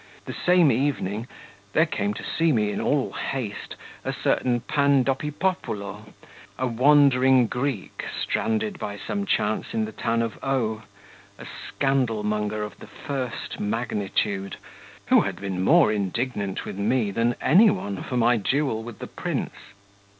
The same evening, there came to see me in all haste a certain Pandopipopulo, a wandering Greek, stranded by some chance in the town of O , a scandalmonger of the first magnitude, who had been more indignant with me than any one for my duel with the prince.